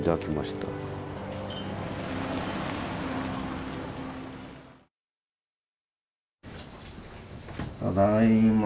ただいま。